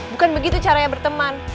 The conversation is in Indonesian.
bukan begitu caranya berteman